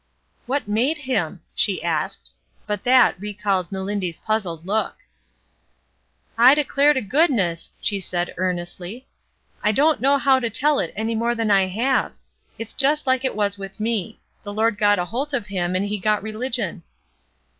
''What made him?" she asked. But that recalled Melindy's puzzled look. 198 ESTER RIED*S NAMESAKE "I declare to goodness," she said earnestly, "I don't know how to tell it any more than I have. It's jest Uke it was with me; the Lord got a holt of him and he got religion."